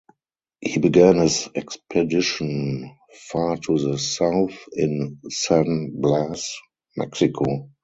He began his expedition far to the south in San Blas, Mexico.